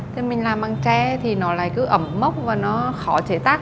thế mình làm bằng tre thì nó lại cứ ẩm mốc và nó khó chế tác